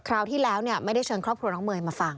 คราวที่แล้วไม่ได้เชิญครอบครัวน้องเมย์มาฟัง